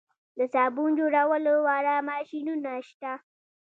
د صابون جوړولو واړه ماشینونه شته